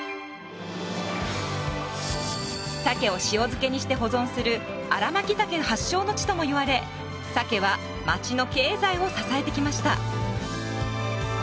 サケを塩漬けにして保存する「新巻鮭発祥の地」ともいわれサケは町の経済を支えてきました。